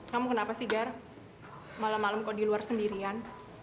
kamu kenapa sih gar malam malam kok di luar sendirian